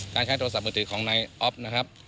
การใช้โทรศัพท์มือถือของในออฟนะครับ